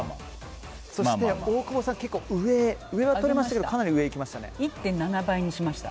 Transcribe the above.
そして大久保さん上は取れましたけど１．７倍にしました。